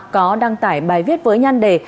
có đăng tải bài viết với nhăn đề